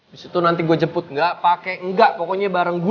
disitu nanti gue jemput ga pake ga pokoknya bareng gue